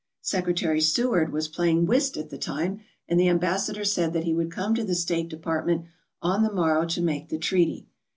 Secretary Seward was playing whist at the time and the Ambassador said that he would come to the State Department on the morrow to make the treaty.